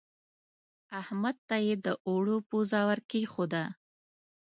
احمد ته يې د اوړو پزه ور کېښوده.